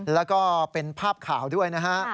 แล้วก็เป็นภาพข่าวด้วยนะฮะ